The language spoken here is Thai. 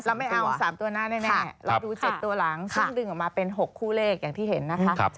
เราไม่เอา๓ตัวหน้าแน่เราดู๗ตัวหลังซึ่งดึงออกมาเป็น๖คู่เลขอย่างที่เห็นนะคะ